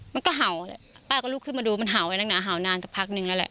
มันก็เห่าแหละป้าก็ลุกขึ้นมาดูมันเห่าไว้นักหนาเห่านานสักพักนึงแล้วแหละ